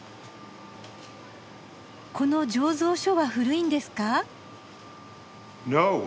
この醸造所は古いんですか？